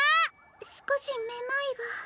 すこしめまいが。